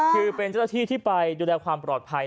คือเป็นเจ้าหน้าที่ที่ไปดูแลความปลอดภัย